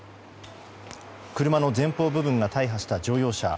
車の前方部分が大破した乗用車。